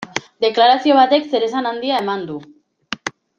Deklarazio batek zeresan handia eman du.